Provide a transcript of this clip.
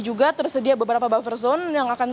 juga tersedia beberapa buffer zone yang akan